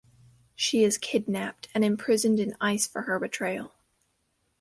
She is kidnapped and imprisoned in ice for her betrayal.